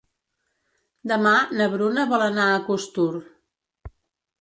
Demà na Bruna vol anar a Costur.